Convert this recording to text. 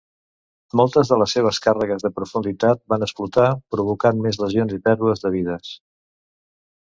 Moltes de les seves càrregues de profunditat van explotar, provocant més lesions i pèrdues de vides.